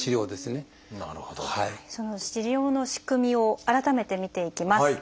その治療の仕組みを改めて見ていきます。